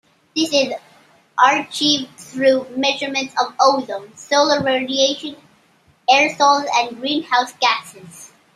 This is achieved through measurements of ozone, solar radiation, aerosols and greenhouse gases.